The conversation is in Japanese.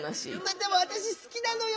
でも私好きなのよ。